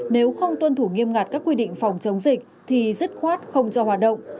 nếu không tuân thủ nghiêm ngặt các quy định phòng chống dịch thì dứt khoát không cho hoạt động